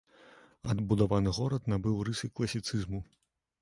Адбудаваны горад набыў рысы класіцызму.